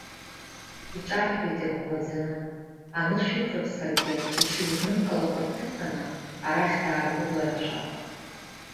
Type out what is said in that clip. Иҿарҳәеит ирӷәӷәаӡаны, анышә иқәрыԥсаргьы, иҽизнымкылакәа, дҭыԥаны арахь дааргәыдларашәа.